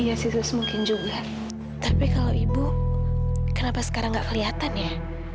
apa ibu udah pulang duluan ngambil baju